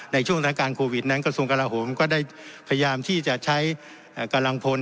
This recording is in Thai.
ในช่วงสถานการณ์โควิดนั้นกระทรวงกลาโหมก็ได้พยายามที่จะใช้กำลังพล